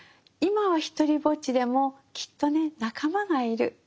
今はひとりぼっちでもきっとね仲間がいる。